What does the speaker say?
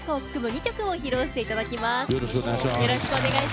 ２曲を披露していただきます。